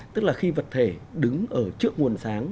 tức là khi vật thể đứng ở trước nguồn sáng